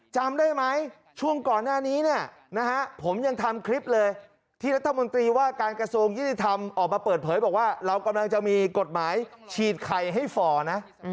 จำได้ไหมช่วงก่อนหน้านี้เนี่ยนะฮะผมยังทำคลิปเลยที่รัฐมนตรีว่าการกระทรวงยุติธรรมออกมาเปิดเผยบอกว่าเรากำลังจะมีกฎหมายฉีดไข่ให้ฝ่อนะ